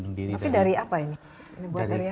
tapi dari apa ini